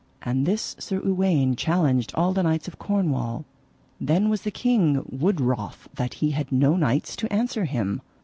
And this Sir Uwaine challenged all the knights of Cornwall. Then was the king wood wroth that he had no knights to answer him.